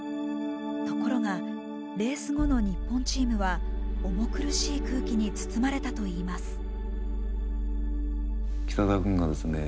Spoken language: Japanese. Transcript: ところがレース後の日本チームは重苦しい空気に包まれたといいます。